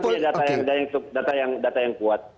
karena ini punya data yang kuat